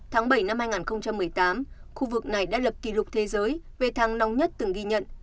tháng bảy năm hai nghìn một mươi tám khu vực này đã lập kỷ lục thế giới về tháng nóng nhất từng ghi nhận